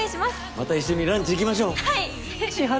また一緒にランチ行きましょう。